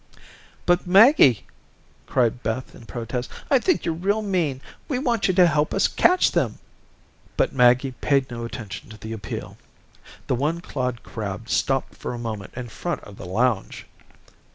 "But, Maggie," cried Beth in protest, "I think you're real mean. We want you to help us catch them." But Maggie paid no attention to the appeal. The one clawed crab stopped for a moment in front of the lounge.